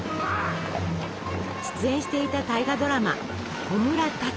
出演していた大河ドラマ「炎立つ」。